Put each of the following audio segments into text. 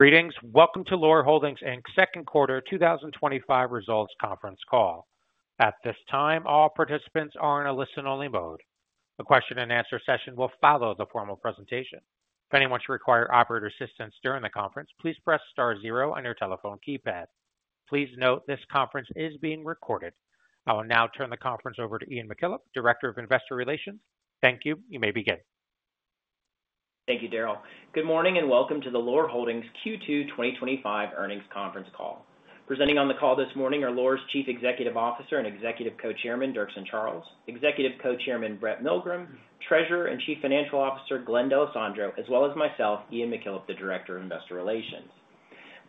Greetings. Welcome to Loar Holdings Inc Second Quarter 2025 Results Conference Call. At this time, all participants are in a listen-only mode. The question and answer session will follow the formal presentation. If anyone should require operator assistance during the conference, please press star zero on your telephone keypad. Please note this conference is being recorded. I will now turn the conference over to Ian McKillop, Director of Investor Relations. Thank you. You may begin. Thank you, Darryl. Good morning and welcome to the Loar Holdings Q2 2025 Earnings Conference Call. Presenting on the call this morning are Loar's Chief Executive Officer and Executive Co-Chairman Dirkson Charles, Executive Co-Chairman Brett Milgrim, Treasurer and Chief Financial Officer Glenn D'Alessandro, as well as myself, Ian McKillop, the Director of Investor Relations.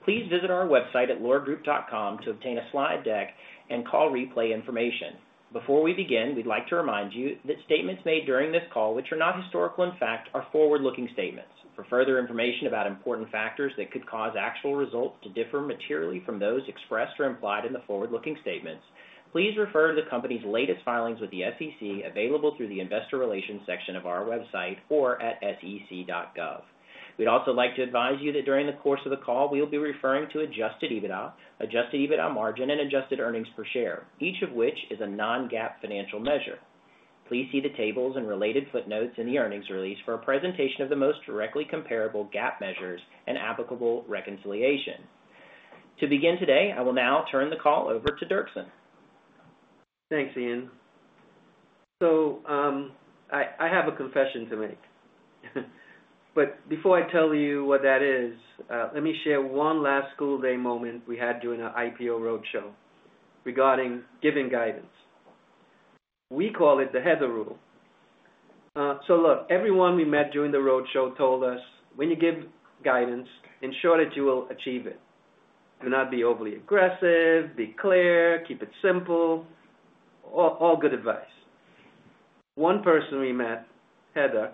Please visit our website at loargroup.com to obtain a slide deck and call replay information. Before we begin, we'd like to remind you that statements made during this call, which are not historical in fact, are forward-looking statements. For further information about important factors that could cause actual results to differ materially from those expressed or implied in the forward-looking statements, please refer to the company's latest filings with the SEC available through the Investor Relations section of our website or at sec.gov. We'd also like to advise you that during the course of the call, we'll be referring to adjusted EBITDA, adjusted EBITDA margin, and adjusted earnings per share, each of which is a non-GAAP financial measure. Please see the tables and related footnotes in the earnings release for a presentation of the most directly comparable GAAP measures and applicable reconciliation. To begin today, I will now turn the call over to Dirkson. Thanks, Ian. I have a confession to make. Before I tell you what that is, let me share one last school day moment we had during an IPO roadshow regarding giving guidance. We call it the Heather Rule. Look, everyone we met during the roadshow told us when you give guidance, ensure that you will achieve it. Do not be overly aggressive, be clear, keep it simple. All good advice. One person we met, Heather,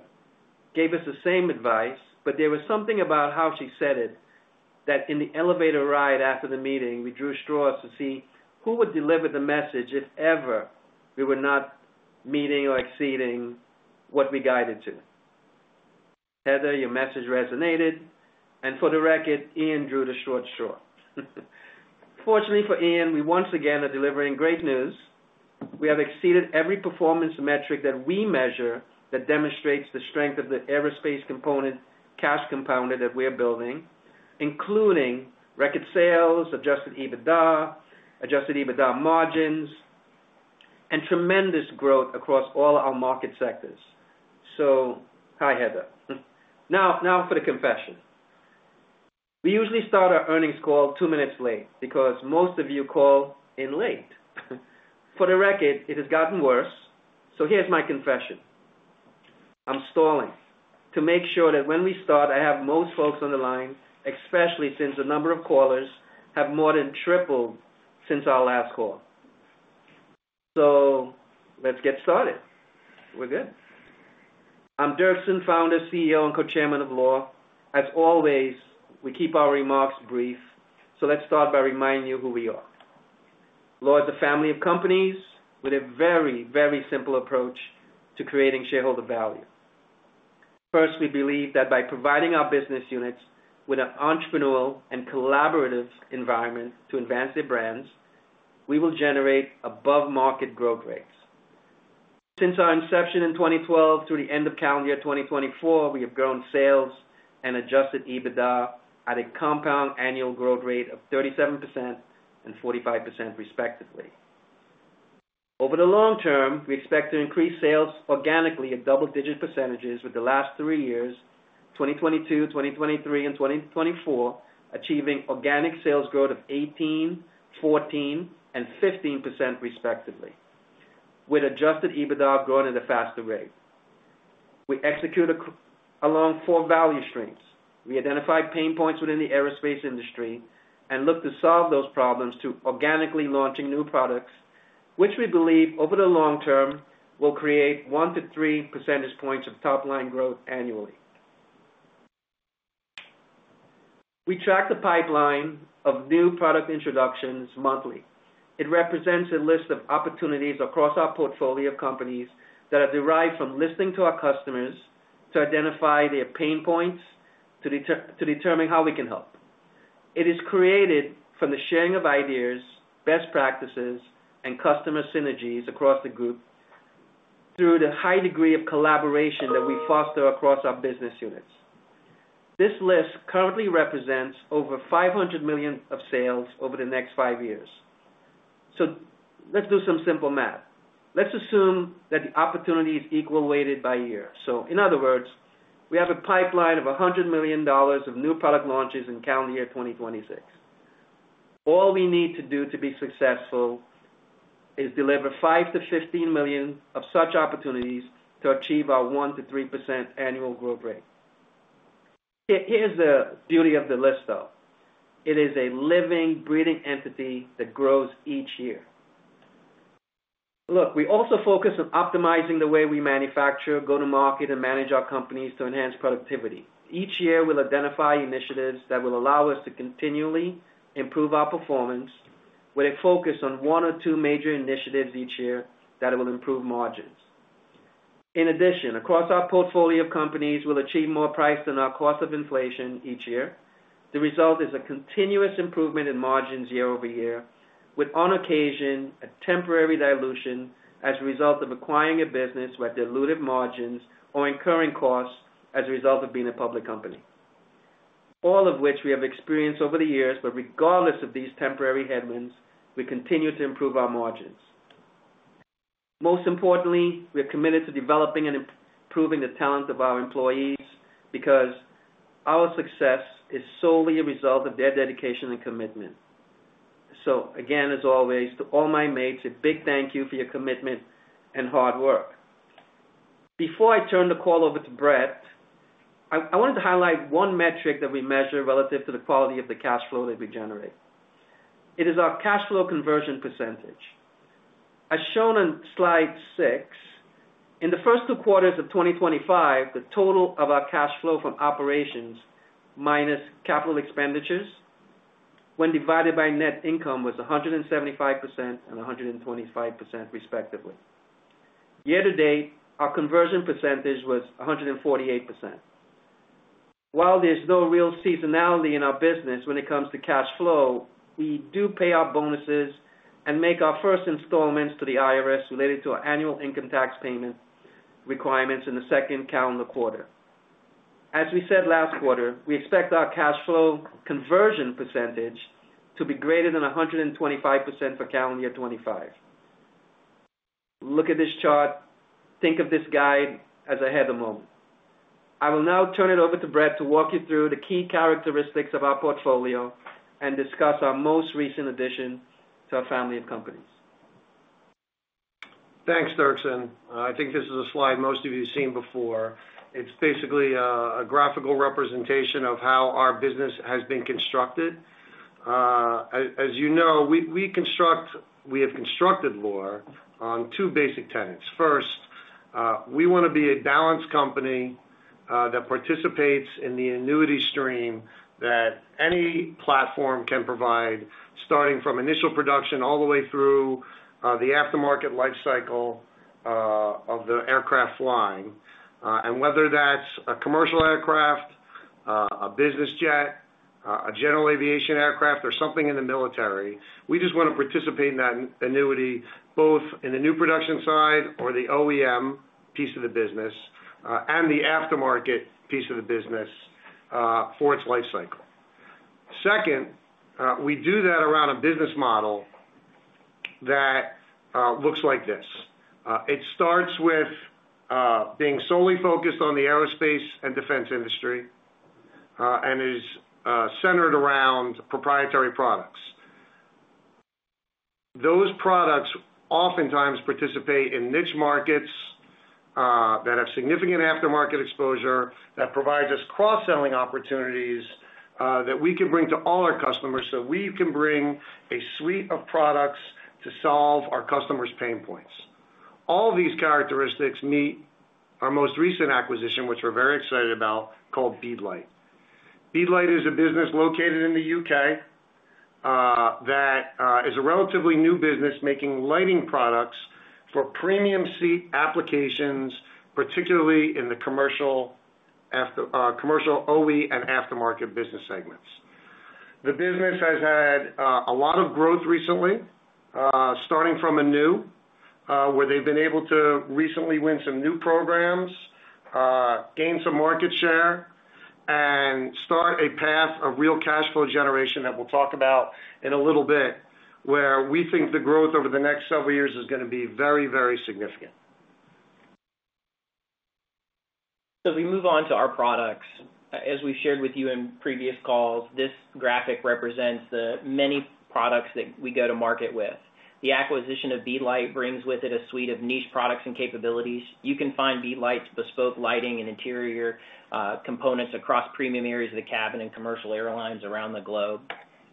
gave us the same advice, but there was something about how she said it that in the elevator ride after the meeting, we drew straws to see who would deliver the message if ever we were not meeting or exceeding what we guided to. Heather, your message resonated. For the record, Ian drew the short straw. Fortunately for Ian, we once again are delivering great news. We have exceeded every performance metric that we measure that demonstrates the strength of the aerospace component cash compounder that we're building, including record sales, adjusted EBITDA, adjusted EBITDA margins, and tremendous growth across all our market sectors. Hi, Heather. Now for the confession. We usually start our earnings call two minutes late because most of you call in late. For the record, it has gotten worse. Here is my confession. I'm stalling to make sure that when we start, I have most folks on the line, especially since the number of callers has more than tripled since our last call. Let's get started. We're good. I'm Dirkson, Founder, CEO, and Co-Chairman of Loar. As always, we keep our remarks brief. Let's start by reminding you who we are. Loar is a family of companies with a very, very simple approach to creating shareholder value. First, we believe that by providing our business units with an entrepreneurial and collaborative environment to advance their brands, we will generate above-market growth rates. Since our inception in 2012 through the end of calendar year 2024, we have grown sales and adjusted EBITDA at a compound annual growth rate of 37% and 45% respectively. Over the long term, we expect to increase sales organically at double-digit percentages with the last three years, 2022, 2023, and 2024, achieving organic sales growth of 18%, 14%, and 15% respectively, with adjusted EBITDA growing at a faster rate. We execute along four value streams. We identify pain points within the aerospace industry and look to solve those problems through organically launching new products, which we believe over the long term will create one to three percentage points of top-line growth annually. We track the pipeline of new product introductions monthly. It represents a list of opportunities across our portfolio companies that are derived from listening to our customers to identify their pain points to determine how we can help. It is created from the sharing of ideas, best practices, and customer synergies across the group through the high degree of collaboration that we foster across our business units. This list currently represents over $500 million of sales over the next five years. Let's do some simple math. Let's assume that the opportunity is equal weighted by year. In other words, we have a pipeline of $100 million of new product launches in calendar year 2026. All we need to do to be successful is deliver $5 million-$15 million of such opportunities to achieve our 1%-3% annual growth rate. Here's the beauty of the list, though. It is a living, breathing entity that grows each year. We also focus on optimizing the way we manufacture, go to market, and manage our companies to enhance productivity. Each year, we'll identify initiatives that will allow us to continually improve our performance with a focus on one or two major initiatives each year that will improve margins. In addition, across our portfolio of companies, we'll achieve more price than our cost of inflation each year. The result is a continuous improvement in margins year over year, with on occasion a temporary dilution as a result of acquiring a business where diluted margins are incurring costs as a result of being a public company, all of which we have experienced over the years. Regardless of these temporary headwinds, we continue to improve our margins. Most importantly, we're committed to developing and improving the talent of our employees because our success is solely a result of their dedication and commitment. Again, as always, to all my mates, a big thank you for your commitment and hard work. Before I turn the call over to Brett, I wanted to highlight one metric that we measure relative to the quality of the cash flow that we generate. It is our cash flow conversion percentage. As shown on slide six, in the first two quarters of 2025, the total of our cash flow from operations minus capital expenditures, when divided by net income, was 175% and 125%, respectively. Year to date, our conversion percentage was 148%. While there's no real seasonality in our business when it comes to cash flow, we do pay our bonuses and make our first installments to the IRS related to our annual income tax payment requirements in the second calendar quarter. As we said last quarter, we expect our cash flow conversion percentage to be greater than 125% for calendar year 2025. Look at this chart. Think of this guide as ahead of the moment. I will now turn it over to Brett to walk you through the key characteristics of our portfolio and discuss our most recent addition to our family of companies. Thanks, Dirkson. I think this is a slide most of you have seen before. It's basically a graphical representation of how our business has been constructed. As you know, we have constructed Loar on two basic tenets. First, we want to be a balanced company that participates in the annuity stream that any platform can provide, starting from initial production all the way through the aftermarket lifecycle of the aircraft flying. Whether that's a commercial aircraft, a business jet, a general aviation aircraft, or something in the military, we just want to participate in that annuity, both in the new production side or the OEM piece of the business and the aftermarket piece of the business for its lifecycle. Second, we do that around a business model that looks like this. It starts with being solely focused on the aerospace and defense industry and is centered around proprietary products. Those products oftentimes participate in niche markets that have significant aftermarket exposure that provides us cross-selling opportunities that we could bring to all our customers so we can bring a suite of products to solve our customers' pain points. All these characteristics meet our most recent acquisition, which we're very excited about, called Beadlight. Beadlight is a business located in the U.K. that is a relatively new business making lighting products for premium seat applications, particularly in the commercial, commercial OE, and aftermarket business segments. The business has had a lot of growth recently, starting from anew, where they've been able to recently win some new programs, gain some market share, and start a path of real cash flow generation that we'll talk about in a little bit, where we think the growth over the next several years is going to be very, very significant. As we move on to our products, as we shared with you in previous calls, this graphic represents the many products that we go to market with. The acquisition of Beadlight brings with it a suite of niche products and capabilities. You can find Beadlight's bespoke lighting and interior components across premium areas of the cabin and commercial airlines around the globe.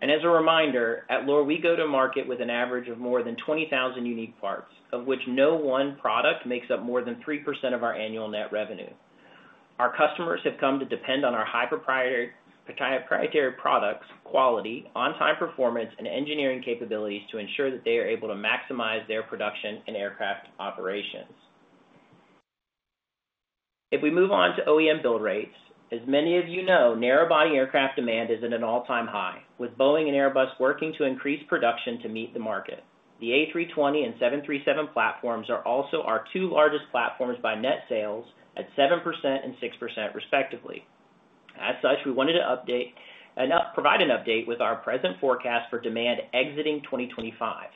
At Loar we go to market with an average of more than 20,000 unique parts, of which no one product makes up more than 3% of our annual net revenue. Our customers have come to depend on our high proprietary products, quality, on-time performance, and engineering capabilities to ensure that they are able to maximize their production and aircraft operations. If we move on to OEM build rates, as many of you know, narrow-body aircraft demand is at an all-time high, with Boeing and Airbus working to increase production to meet the market. The A320 and 737 platforms are also our two largest platforms by net sales at 7% and 6% respectively. We wanted to update and provide an update with our present forecast for demand exiting 2025.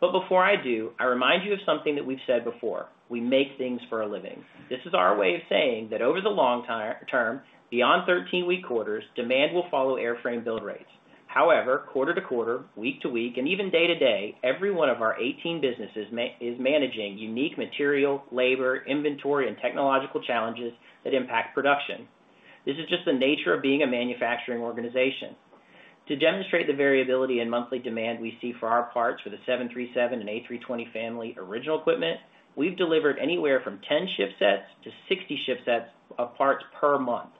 Before I do, I remind you of something that we've said before. We make things for a living. This is our way of saying that over the long term, beyond 13-week quarters, demand will follow airframe build rates. However, quarter to quarter, week to week, and even day to day, every one of our 18 businesses is managing unique material, labor, inventory, and technological challenges that impact production. This is just the nature of being a manufacturing organization. To demonstrate the variability in monthly demand we see for our parts for the 737 and A320 family original equipment, we've delivered anywhere from 10 ship sets-60 ship sets of parts per month.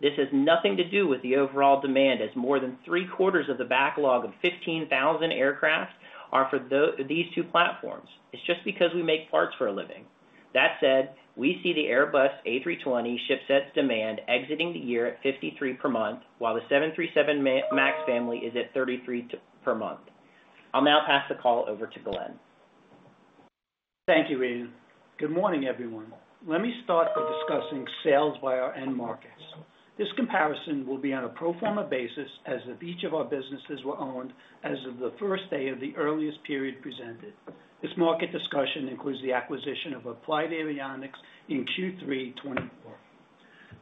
This has nothing to do with the overall demand, as more than three quarters of the backlog of 15,000 aircraft are for these two platforms. It's just because we make parts for a living. That said, we see the Airbus A320 ship sets demand exiting the year at 53 per month, while the 737 MAX family is at 33 per month. I'll now pass the call over to Glenn. Thank you, Ian. Good morning, everyone. Let me start by discussing sales by our end markets. This comparison will be on a pro forma basis as if each of our businesses were owned as of the first day of the earliest period presented. This market discussion includes the acquisition of Applied Avionics in Q3 2024.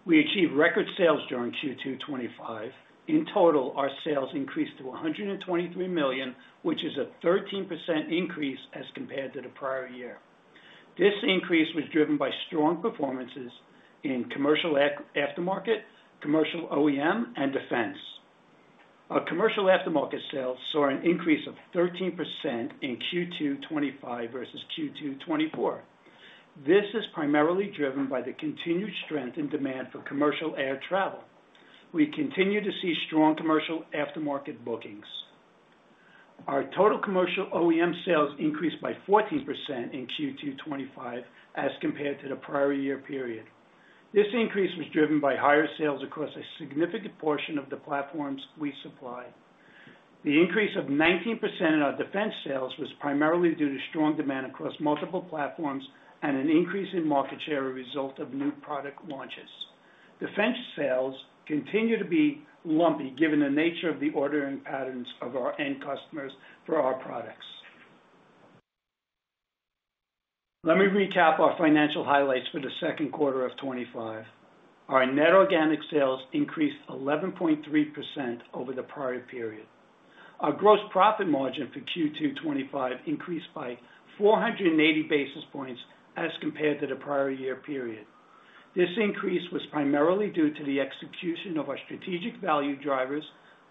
We achieved record sales during Q2 2025. In total, our sales increased to $123 million, which is a 13% increase as compared to the prior year. This increase was driven by strong performances in commercial aftermarket, commercial OEM, and defense. Our commercial aftermarket sales saw an increase of 13% in Q2 2025 versus Q2 2024. This is primarily driven by the continued strength in demand for commercial air travel. We continue to see strong commercial aftermarket bookings. Our total commercial OEM sales increased by 14% in Q2 2025 as compared to the prior year period. This increase was driven by higher sales across a significant portion of the platforms we supply. The increase of 19% in our defense sales was primarily due to strong demand across multiple platforms and an increase in market share as a result of new product launches. Defense sales continue to be lumpy given the nature of the ordering patterns of our end customers for our products. Let me recap our financial highlights for the second quarter of 2025. Our net organic sales increased 11.3% over the prior period. Our gross profit margin for Q2 2025 increased by 480 basis points as compared to the prior year period. This increase was primarily due to the execution of our strategic value drivers,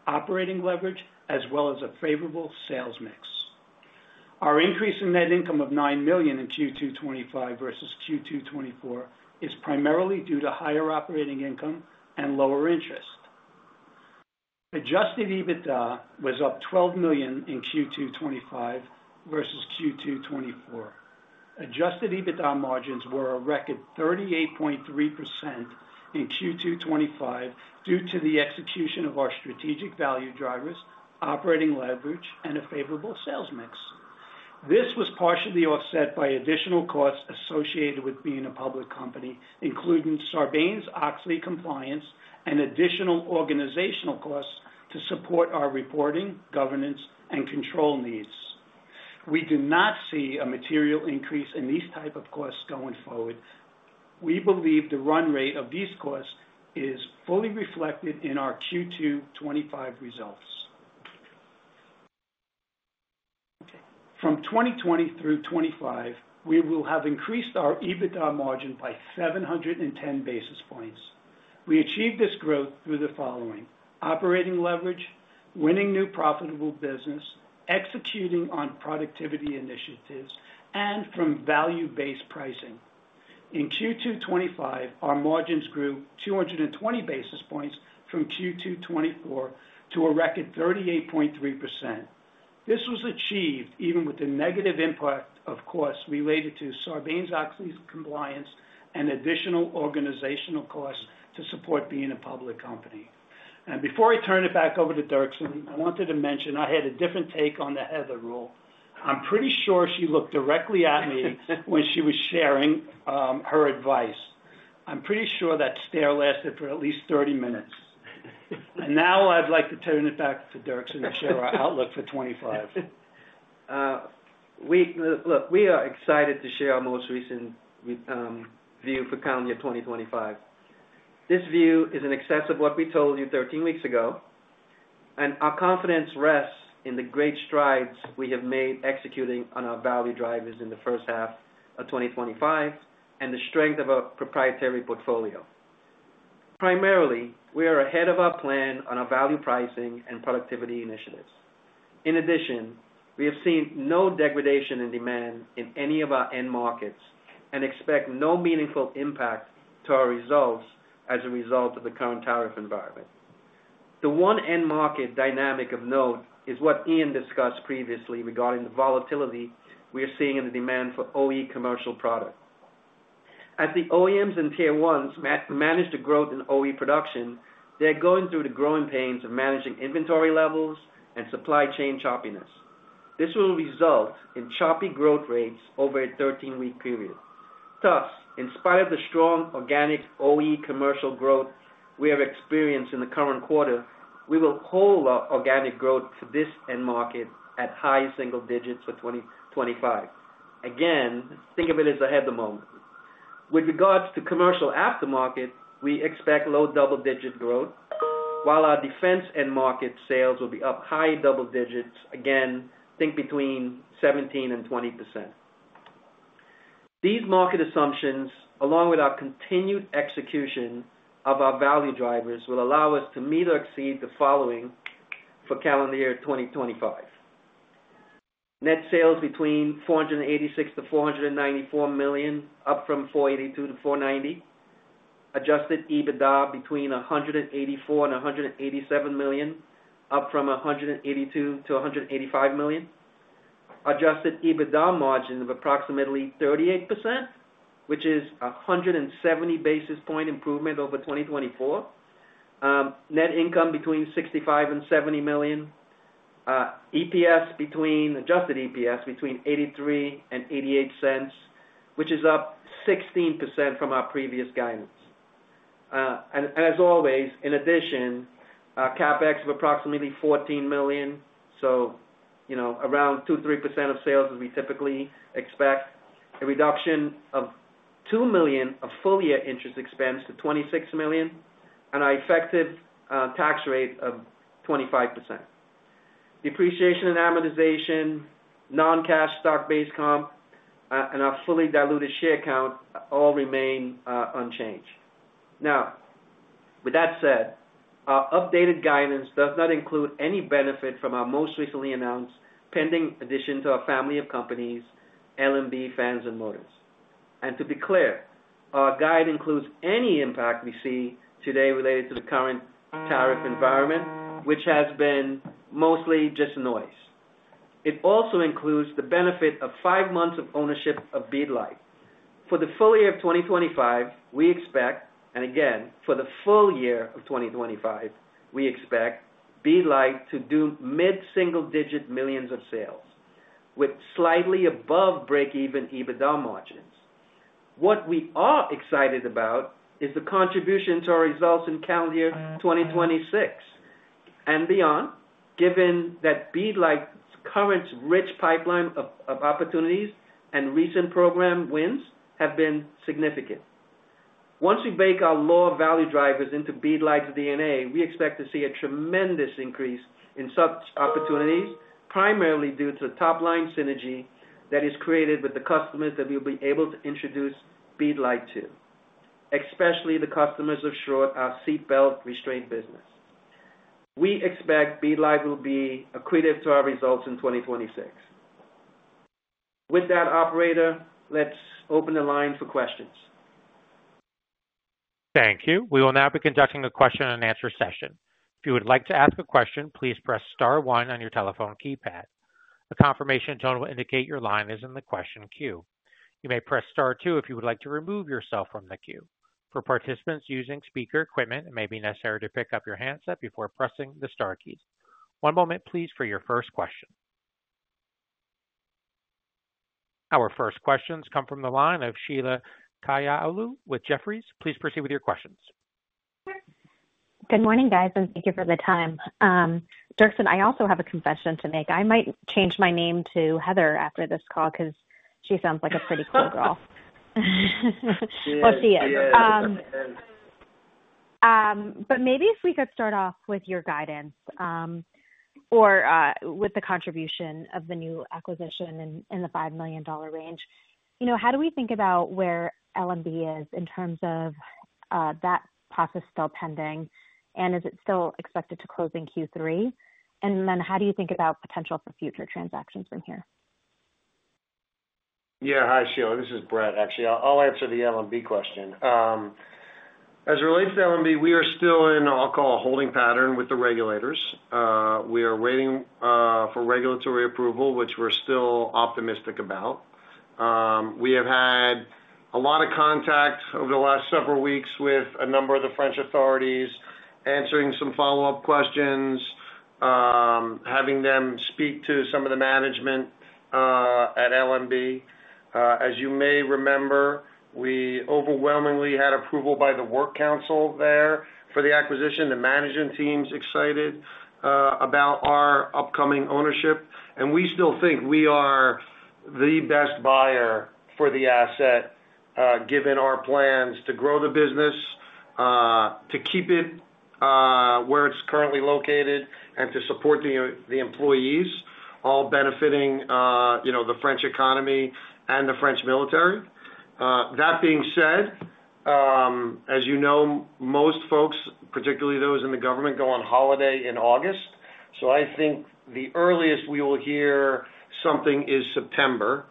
operating leverage, as well as a favorable sales mix. Our increase in net income of $9 million in Q2 2025 versus Q2 2024 is primarily due to higher operating income and lower interest. Adjusted EBITDA was up $12 million in Q2 2025 versus Q2 2024. Adjusted EBITDA margins were a record 38.3% in Q2 2025 due to the execution of our strategic value drivers, operating leverage, and a favorable sales mix. This was partially offset by additional costs associated with being a public company, including Sarbanes-Oxley compliance and additional organizational costs to support our reporting, governance, and control needs. We do not see a material increase in these types of costs going forward. We believe the run rate of these costs is fully reflected in our Q2 2025 results. From 2020 through 2025, we will have increased our EBITDA margin by 710 basis points. We achieved this growth through the following: operating leverage, winning new profitable business, executing on productivity initiatives, and from value-based pricing. In Q2 2025, our margins grew 220 basis points from Q2 2024 to a record 38.3%. This was achieved even with the negative impact of costs related to Sarbanes-Oxley compliance and additional organizational costs to support being a public company. Before I turn it back over to Dirkson, I wanted to mention I had a different take on the Heather Rule. I'm pretty sure she looked directly at me when she was sharing her advice. I'm pretty sure that stare lasted for at least 30 minutes. Now I'd like to turn it back to Dirkson to share our outlook for 2025. We are excited to share our most recent view for calendar year 2025. This view is in excess of what we told you 13 weeks ago, and our confidence rests in the great strides we have made executing on our value drivers in the first half of 2025 and the strength of our proprietary portfolio. Primarily, we are ahead of our plan on our value pricing and productivity initiatives. In addition, we have seen no degradation in demand in any of our end markets and expect no meaningful impact to our results as a result of the current tariff environment. The one end market dynamic of note is what Ian discussed previously regarding the volatility we are seeing in the demand for OE commercial products. As the OEMs and Tier 1s manage the growth in OE production, they're going through the growing pains of managing inventory levels and supply chain choppiness. This will result in choppy growth rates over a 13-week period. Thus, in spite of the strong organic OE commercial growth we have experienced in the current quarter, we will hold our organic growth to this end market at high single digits for 2025. Again, think of it as ahead of the moment. With regards to commercial aftermarket, we expect low double-digit growth, while our defense end market sales will be up high double digits. Again, think between 17% and 20%. These market assumptions, along with our continued execution of our value drivers, will allow us to meet or exceed the following for calendar year 2025: net sales between $486 million-$494 million, up from $482 million-$490 million; adjusted EBITDA between $184 million and $187 million, up from $182 million-$185 million; adjusted EBITDA margin of approximately 38%, which is a 170 basis point improvement over 2024; net income between $65 million and $70 million; adjusted EPS between $0.83 and $0.88, which is up 16% from our previous guidance. In addition, a CapEx of approximately $14 million, around 2%-3% of sales as we typically expect; a reduction of $2 million of full-year interest expense to $26 million; and our effective tax rate of 25%. The depreciation and amortization, non-cash stock-based comp, and our fully diluted share count all remain unchanged. Now, with that said, our updated guidance does not include any benefit from our most recently announced pending addition to our family of companies, LMB Fans and Motors. To be clear, our guide includes any impact we see today related to the current tariff environment, which has been mostly just noise. It also includes the benefit of five months of ownership of Beadlight. For the full year of 2025, we expect, and again, for the full year of 2025, we expect Beadlight to do mid-single-digit millions of sales with slightly above break-even EBITDA margins. What we are excited about is the contribution to our results in calendar year 2026 and beyond, given that Beadlight's current rich pipeline of opportunities and recent program wins have been significant. Once we bake our Loar value drivers into Beadlight's DNA, we expect to see a tremendous increase in such opportunities, primarily due to the top-line synergy that is created with the customers that we will be able to introduce Beadlight to, especially the customers of our seatbelt restraint business. We expect Beadlight will be accretive to our results in 2026. With that, operator, let's open the line for questions. Thank you. We will now be conducting a question and answer session. If you would like to ask a question, please press star one on your telephone keypad. A confirmation tone will indicate your line is in the question queue. You may press star two if you would like to remove yourself from the queue. For participants using speaker equipment, it may be necessary to pick up your handset before pressing the star keys. One moment, please, for your first question. Our first questions come from the line of Sheila Kahyaoglu with Jefferies. Please proceed with your questions. Good morning, guys, and thank you for the time. Dirkson, I also have a confession to make. I might change my name to Heather after this call because she sounds like a pretty cool girl. She is. Maybe if we could start off with your guidance or with the contribution of the new acquisition in the $5 million range, how do we think about where LMB is in terms of that process still pending, and is it still expected to close in Q3? How do you think about potential for future transactions from here? Yeah. Hi, Sheila. This is Brett, actually. I'll answer the LMB question. As it relates to LMB, we are still in, I'll call, a holding pattern with the regulators. We are waiting for regulatory approval, which we're still optimistic about. We have had a lot of contact over the last several weeks with a number of the French authorities, answering some follow-up questions, having them speak to some of the management at LMB. As you may remember, we overwhelmingly had approval by the work council there for the acquisition. The management team's excited about our upcoming ownership. We still think we are the best buyer for the asset, given our plans to grow the business, to keep it where it's currently located, and to support the employees, all benefiting the French economy and the French military. That being said, as you know, most folks, particularly those in the government, go on holiday in August. I think the earliest we will hear something is September.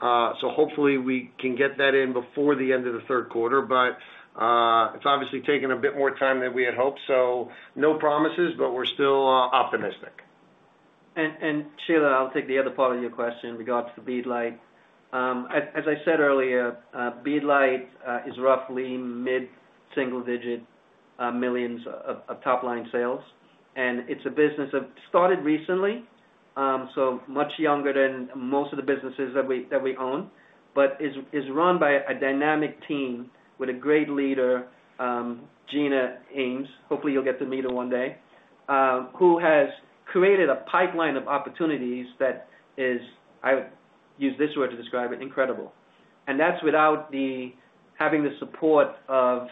Hopefully, we can get that in before the end of the third quarter. It's obviously taken a bit more time than we had hoped. No promises, but we're still optimistic. Sheila, I'll take the other part of your question in regards to Beadlight. As I said earlier, Beadlight is roughly mid-single-digit millions of top-line sales. It's a business that started recently, so much younger than most of the businesses that we own, but is run by a dynamic team with a great leader, Gina Ames. Hopefully, you'll get to meet her one day, who has created a pipeline of opportunities that is, I would use this word to describe it, incredible. That's without having the support of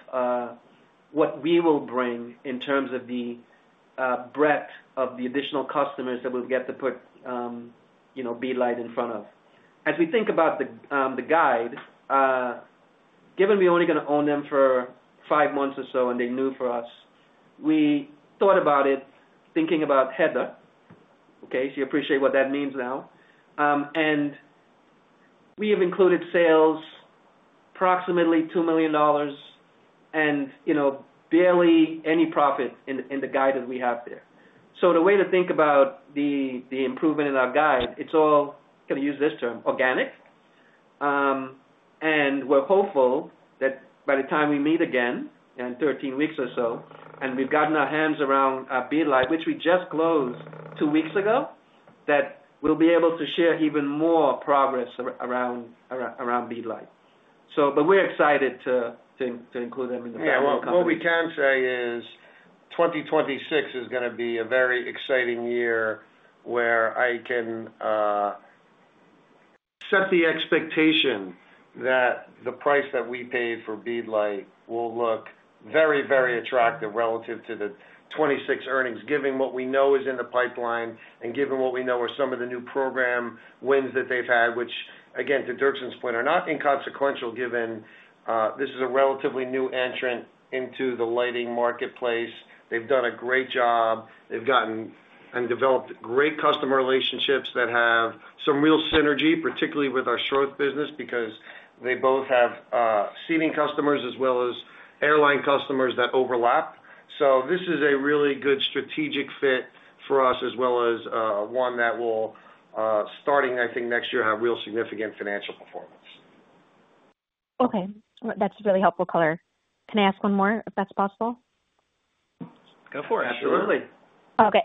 what we will bring in terms of the breadth of the additional customers that we'll get to put Beadlight in front of. As we think about the guide, given we're only going to own them for five months or so and they're new for us, we thought about it thinking about Heather. You appreciate what that means now. We have included sales, approximately $2 million, and barely any profit in the guide that we have there. The way to think about the improvement in our guide, it's all, I'm going to use this term, organic. We're hopeful that by the time we meet again in 13 weeks or so, and we've gotten our hands around Beadlight, which we just closed two weeks ago, we'll be able to share even more progress around Beadlight. We're excited to include them in the guide. Yeah, what we can say is 2026 is going to be a very exciting year where I can set the expectation that the price that we paid for Beadlight will look very, very attractive relative to the 2026 earnings, given what we know is in the pipeline and given what we know are some of the new program wins that they've had, which, again, to Dirkson's point, are not inconsequential given this is a relatively new entrant into the lighting marketplace. They've done a great job. They've gotten and developed great customer relationships that have some real synergy, particularly with our Schroth business because they both have seating customers as well as airline customers that overlap. This is a really good strategic fit for us, as well as one that will, starting, I think, next year, have real significant financial performance. Okay. That's really helpful, color. Can I ask one more if that's possible? Go for it, absolutely. Okay.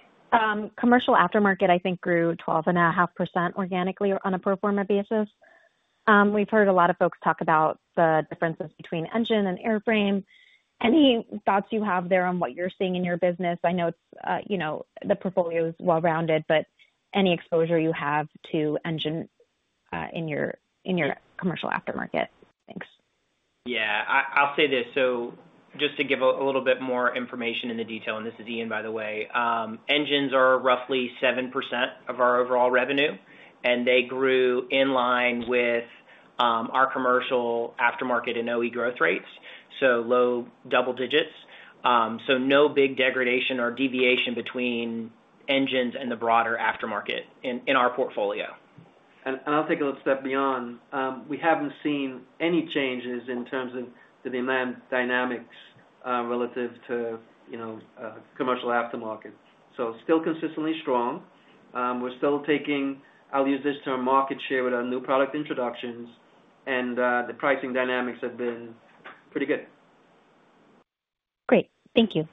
Commercial aftermarket, I think, grew 12.5% organically on a pro forma basis. We've heard a lot of folks talk about the differences between engine and airframe. Any thoughts you have there on what you're seeing in your business? I know the portfolio is well-rounded, but any exposure you have to engine in your commercial aftermarket? Thanks. I'll say this. Just to give a little bit more information in the detail, and this is Ian, by the way, engines are roughly 7% of our overall revenue, and they grew in line with our commercial aftermarket and OE growth rates, so low double digits. No big degradation or deviation between engines and the broader aftermarket in our portfolio. I'll take a little step beyond. We haven't seen any changes in terms of the land dynamics relative to, you know, commercial aftermarket. It's still consistently strong. We're still taking, I'll use this term, market share with our new product introductions, and the pricing dynamics have been pretty good. Great. Thank you.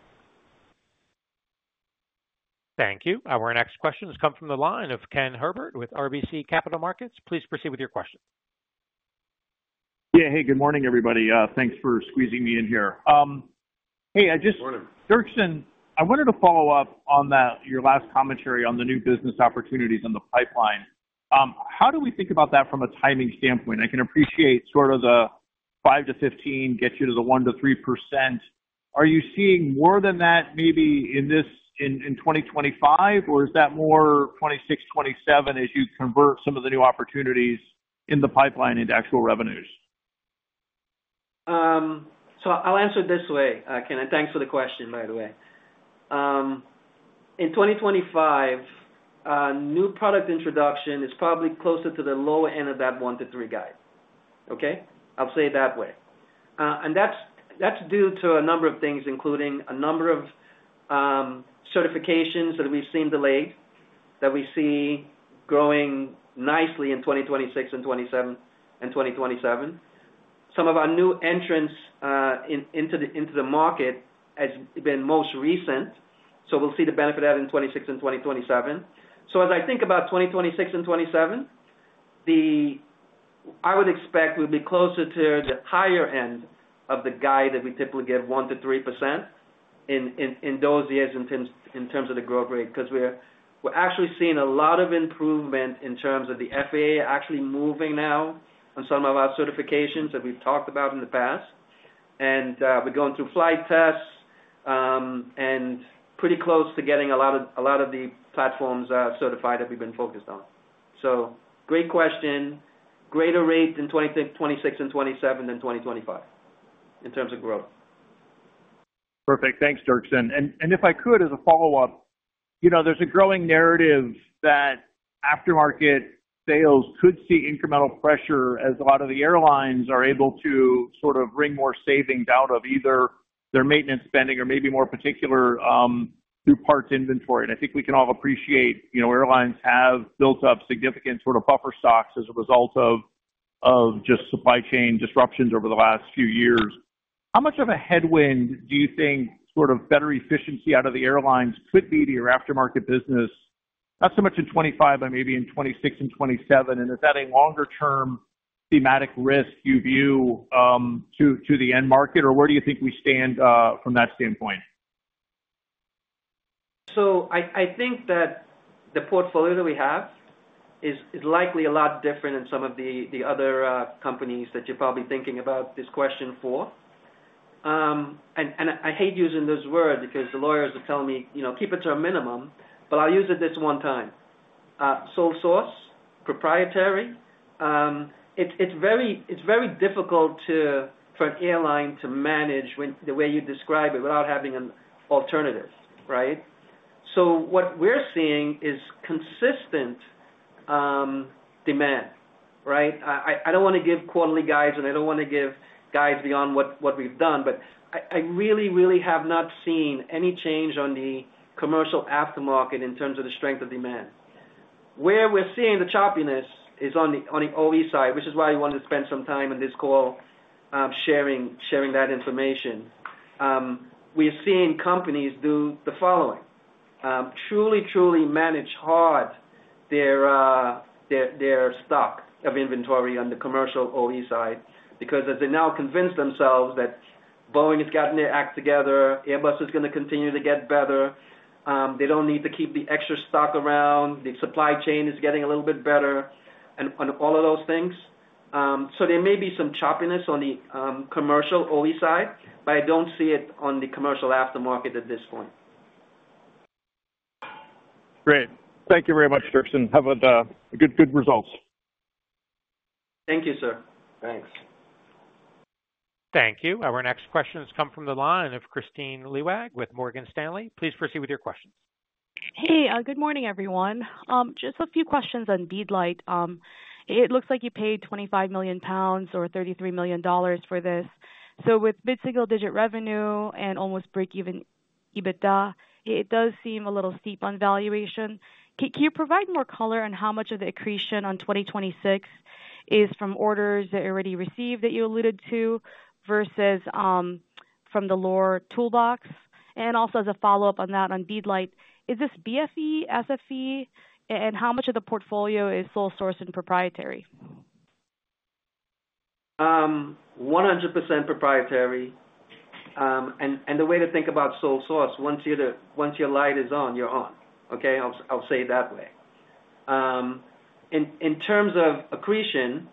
Thank you. Our next question has come from the line of Ken Herbert with RBC Capital Markets. Please proceed with your question. Yeah, hey, good morning, everybody. Thanks for squeezing me in here. Hey, I just, Dirkson, I wanted to follow up on your last commentary on the new business opportunities in the pipeline. How do we think about that from a timing standpoint? I can appreciate sort of the $5 million-$15 million gets you to the 1%-3%. Are you seeing more than that maybe in this in 2025, or is that more 2026, 2027 as you convert some of the new opportunities in the pipeline into actual revenues? I'll answer it this way, Ken. Thanks for the question, by the way. In 2025, new product introduction is probably closer to the lower end of that 1%-3% guide. I'll say it that way. That's due to a number of things, including a number of certifications that we've seen delayed that we see growing nicely in 2026 and 2027. Some of our new entrants into the market have been most recent. We'll see the benefit of that in 2026 and 2027. As I think about 2026 and 2027, I would expect we'll be closer to the higher end of the guide that we typically get, 1%-3% in those years in terms of the growth rate, because we're actually seeing a lot of improvement in terms of the FAA actually moving now on some of our certifications that we've talked about in the past. We're going through flight tests and pretty close to getting a lot of the platforms certified that we've been focused on. Great question, greater rate in 2026 and 2027 than 2025 in terms of growth. Perfect. Thanks, Dirkson. If I could, as a follow-up, there's a growing narrative that aftermarket sales could see incremental pressure as a lot of the airlines are able to sort of wring more savings out of either their maintenance spending or maybe more particularly through parts inventory. I think we can all appreciate airlines have built up significant buffer stocks as a result of just supply chain disruptions over the last few years. How much of a headwind do you think better efficiency out of the airlines could be to your aftermarket business, not so much in 2025, but maybe in 2026 and 2027? Is that a longer-term thematic risk you view to the end market, or where do you think we stand from that standpoint? I think that the portfolio that we have is likely a lot different than some of the other companies that you're probably thinking about this question for. I hate using those words because the lawyers will tell me, you know, keep it to a minimum, but I'll use it this one time. Sole source, proprietary. It's very difficult for an airline to manage the way you describe it without having an alternative, right? What we're seeing is consistent demand, right? I don't want to give quarterly guides, and I don't want to give guides beyond what we've done, but I really, really have not seen any change on the commercial aftermarket in terms of the strength of demand. Where we're seeing the choppiness is on the OE side, which is why I wanted to spend some time on this call sharing that information. We're seeing companies do the following, truly, truly manage hard their stock of inventory on the commercial OE side because as they now convince themselves that Boeing has gotten their act together, Airbus is going to continue to get better, they don't need to keep the extra stock around, the supply chain is getting a little bit better, and all of those things. There may be some choppiness on the commercial OE side, but I don't see it on the commercial aftermarket at this point. Great. Thank you very much, Dirkson. Have a good results. Thank you, sir. Thanks. Thank you. Our next question has come from the line of Kristine Liwag with Morgan Stanley. Please proceed with your question. Hey, good morning, everyone. Just a few questions on Beadlight. It looks like you paid 25 million pounds or $33 million for this. With mid-single-digit revenue and almost break-even EBITDA, it does seem a little steep on valuation. Can you provide more color on how much of the accretion on 2026 is from orders that are already received that you alluded to versus from the Loar toolbox? Also, as a follow-up on that on Beadlight, is this BFE, SFE, and how much of the portfolio is sole source and proprietary? 100% proprietary. The way to think about sole source, once your light is on, you're on. I'll say it that way. In terms of accretion,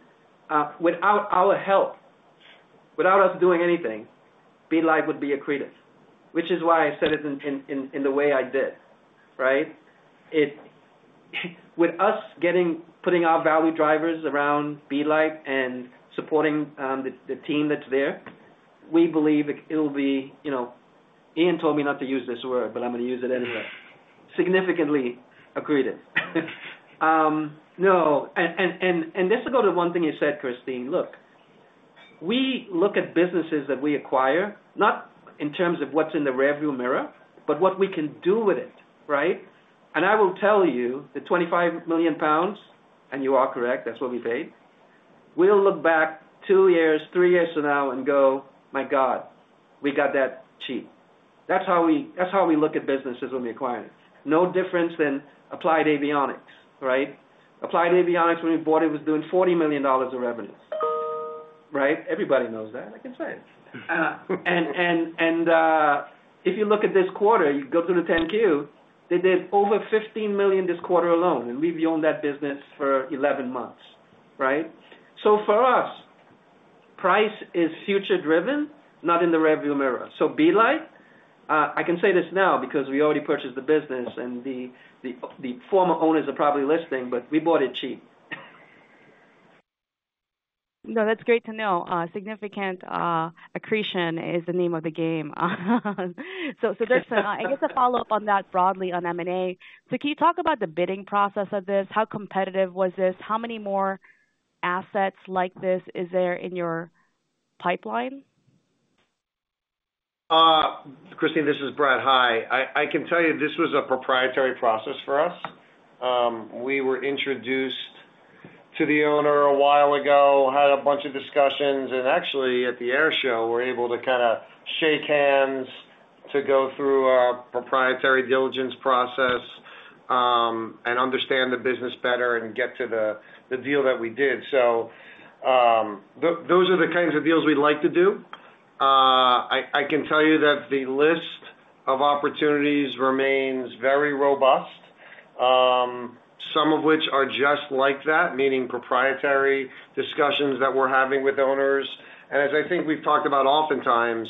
without our help, without us doing anything, Beadlight would be accretive, which is why I said it in the way I did, right? With us putting our value drivers around Beadlight and supporting the team that's there, we believe it'll be, you know, Ian told me not to use this word, but I'm going to use it anyway, significantly accretive. No. This will go to one thing you said, Kristine. Look, we look at businesses that we acquire, not in terms of what's in the rearview mirror, but what we can do with it, right? I will tell you, the 25 million pounds, and you are correct, that's what we paid. We'll look back two years, three years from now and go, "My God, we got that cheap." That's how we look at businesses when we acquire it. No difference than Applied Avionics, right? Applied Avionics, when we bought it, was doing $40 million of revenue, right? Everybody knows that. I can say it. If you look at this quarter, you go through the 10-Q, they did over $15 million this quarter alone, and we've owned that business for 11 months, right? For us, price is future-driven, not in the rearview mirror. Beadlight, I can say this now because we already purchased the business and the former owners are probably listening, but we bought it cheap. No, that's great to know. Significant accretion is the name of the game. Dirkson, I guess a follow-up on that broadly on M&A. Can you talk about the bidding process of this? How competitive was this? How many more assets like this are there in your pipeline? Kristine, this is Brett. Hi. I can tell you this was a proprietary process for us. We were introduced to the owner a while ago, had a bunch of discussions, and actually at the air show, we were able to kind of shake hands to go through our proprietary diligence process and understand the business better and get to the deal that we did. Those are the kinds of deals we'd like to do. I can tell you that the list of opportunities remains very robust, some of which are just like that, meaning proprietary discussions that we're having with owners. As I think we've talked about oftentimes,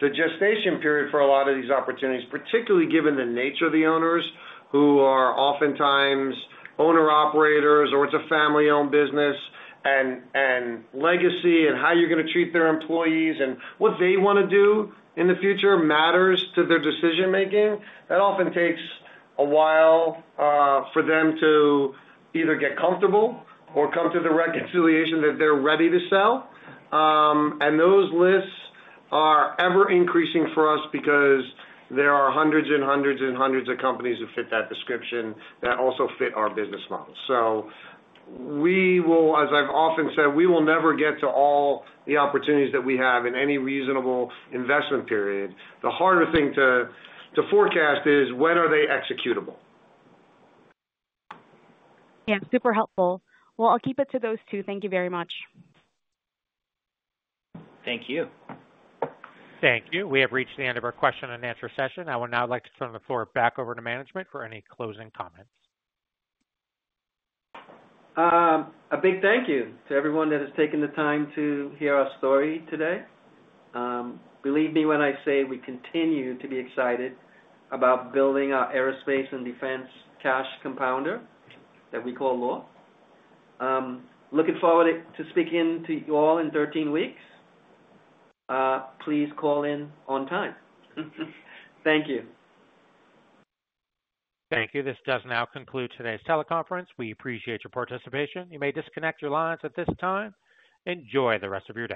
the gestation period for a lot of these opportunities, particularly given the nature of the owners who are oftentimes owner-operators, or it's a family-owned business, and legacy and how you're going to treat their employees and what they want to do in the future matters to their decision-making. That often takes a while for them to either get comfortable or come to the reconciliation that they're ready to sell. Those lists are ever-increasing for us because there are hundreds and hundreds and hundreds of companies who fit that description that also fit our business model. We will, as I've often said, never get to all the opportunities that we have in any reasonable investment period. The harder thing to forecast is when are they executable? Yeah, super helpful. I'll keep it to those two. Thank you very much. Thank you. Thank you. We have reached the end of our question and answer session. I would now like to turn the floor back over to management for any closing comments. A big thank you to everyone that has taken the time to hear our story today. Believe me when I say we continue to be excited about building our aerospace and defense cash compounder that we call Loar. Looking forward to speaking to you all in 13 weeks. Please call in on time. Thank you. Thank you. This does now conclude today's teleconference. We appreciate your participation. You may disconnect your lines at this time. Enjoy the rest of your day.